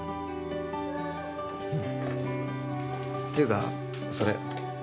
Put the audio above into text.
っていうかそれ。